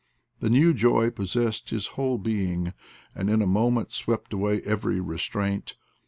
The new joy possessed his whole being, and in a moment swept away every restraint.